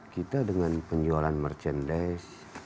kita dengan penjualan merchandise